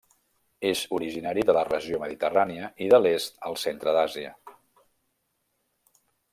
És originari de la regió mediterrània i de l'est al centre d'Àsia.